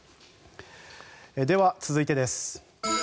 では、続いてです。